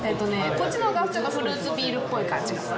こっちの方がちょっとフルーツビールっぽい感じがする。